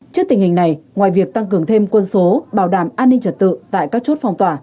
trước tình hình này ngoài việc tăng cường thêm quân số bảo đảm an ninh trật tự tại các chốt phòng tỏa